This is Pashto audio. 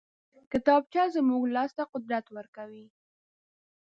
کتابچه زموږ لاس ته قدرت ورکوي